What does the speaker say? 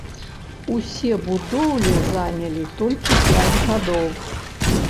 Усе будоўлі занялі толькі пяць гадоў!